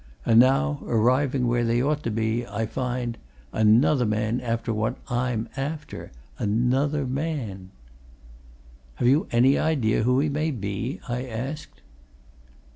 And now, arriving where they ought to be, I find another man after what I'm after! Another man!" "Have you any idea who he may be?" I asked.